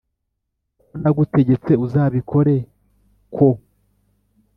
Uko nagutegetse uzabikore ko